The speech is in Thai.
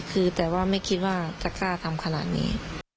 คือแต่ว่าไม่คิดว่าจะกล้าทำขนาดนี้